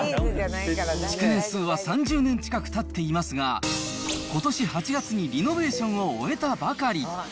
築年数は３０年近くたっていますが、ことし８月にリノベーションを終えたばかり。